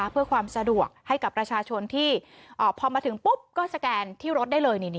เพื่อความสะดวกให้กับประชาชนที่พอมาถึงปุ๊บก็สแกนที่รถได้เลย